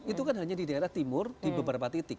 itu kan hanya di daerah timur di beberapa titik